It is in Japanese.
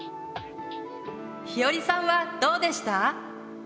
ひよりさんはどうでした？